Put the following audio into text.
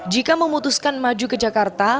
jika memutuskan maju ke jakarta